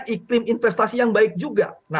iklim investasi yang baik juga